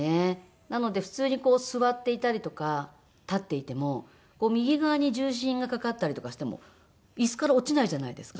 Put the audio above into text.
なので普通に座っていたりとか立っていても右側に重心がかかったりとかしても椅子から落ちないじゃないですか。